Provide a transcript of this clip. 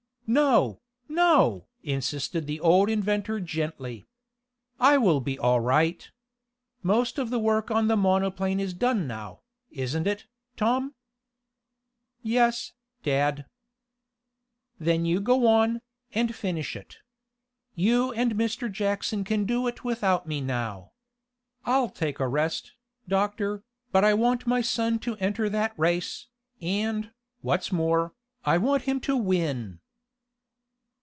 "No! no!" insisted the old inventor gently. "I will be all right. Most of the work on the monoplane is done now, isn't it, Tom?" "Yes, dad." "Then you go on, and finish it. You and Mr. Jackson can do it without me now. I'll take a rest, doctor, but I want my son to enter that race, and, what's more, I want him to win!"